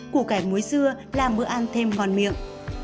củ cải muối dưa là bữa ăn thêm ngon miệng